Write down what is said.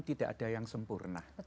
tidak ada yang sempurna